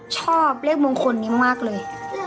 ชอบเลขมงคลนี้มากเลย